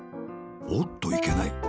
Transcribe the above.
おっといけない。